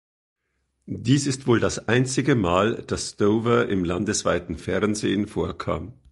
Dies ist wohl das einzige Mal, dass Dover im landesweiten Fernsehen vorkam.